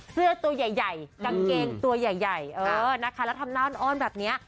เสื้อตัวใหญ่กางเกงตัวใหญ่เออนะคะแล้วทำหน้าอ้อนแบบนี้